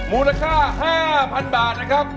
มูลค่า๕๐๐๐บาทนะครับ